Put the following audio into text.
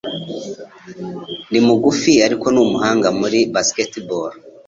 Ni mugufi, ariko ni umuhanga muri basketball.